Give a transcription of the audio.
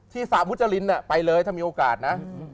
สระมุจรินไปเลยถ้ามีโอกาสนะ